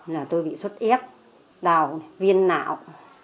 là tôi bị xuất ép đào viên não